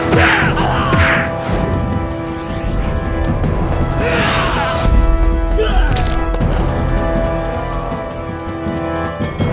selamat jalan sama kita